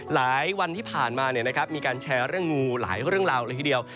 หลายวันที่ผ่านมามีการแชร์เรื่องงูหลายเรื่องราวเลยทีเดียว